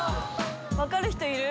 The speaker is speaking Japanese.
分かる人いる？